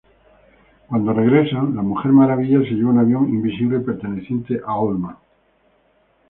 Cuando regresan, la Mujer Maravilla se lleva un avión invisible perteneciente a Owlman.